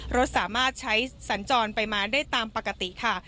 รถสามารถใช้สัญจรไปมาได้ตามปกติค่ะ